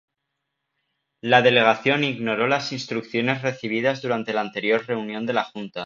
La delegación ignoró las instrucciones recibidas durante la anterior reunión de la Junta.